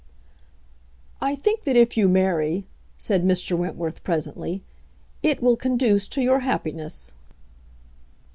"I think that if you marry," said Mr. Wentworth presently, "it will conduce to your happiness."